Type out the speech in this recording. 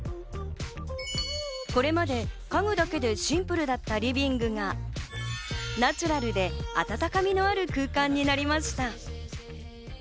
これまで家具だけでシンプルだったリビングがナチュラルで温かみのある空間になりました。